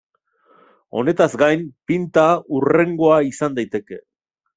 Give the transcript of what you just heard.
Honetaz gain, Pinta hurrengoa izan daiteke.